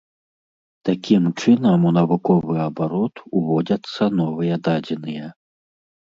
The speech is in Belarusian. Такім чынам у навуковы абарот уводзяцца новыя дадзеныя.